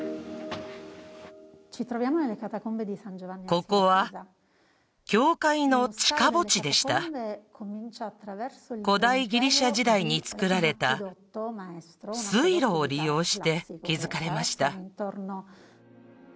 ここは教会の地下墓地でした古代ギリシア時代につくられた水路を利用して築かれました